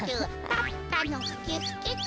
パッパのキュッキュと。